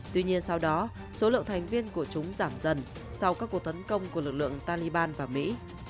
tuy nhiên sau đó số lượng thành viên của chúng giảm dần sau các cuộc tấn công của lực lượng taliban và mỹ